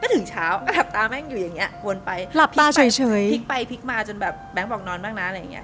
ถึงเช้าก็หลับตาแม่งอยู่อย่างนี้วนไปหลับตาเฉยพลิกไปพลิกมาจนแบบแบงค์บอกนอนบ้างนะอะไรอย่างเงี้